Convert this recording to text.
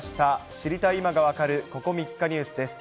知りたい今がわかる、ここ３日ニュースです。